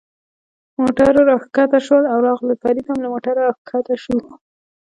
موټرو را کښته شول او راغلل، فرید هم له موټره را کښته شو.